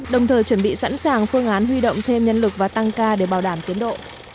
đồng thời chuẩn bị sẵn sàng phương án huy động thêm nhân lực và tăng ca để bảo đảm tiến độ